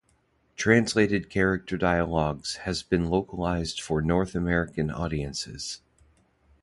Translated character dialogs has been localized for North American audiences.